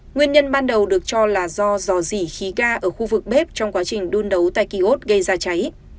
nguyên nhân ban đầu được cho là do dò dỉ khí ga ở khu vực bếp trong quá trình đun nấu tại kiosk gây ra cháy